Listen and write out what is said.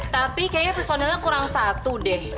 tapi kayaknya personelnya kurang satu deh